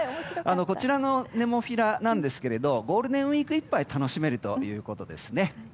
こちらのネモフィラなんですけどゴールデンウィークいっぱい楽しめるということですね。